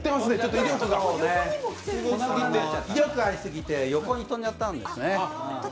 威力がありすぎて横に飛んじゃったんですね。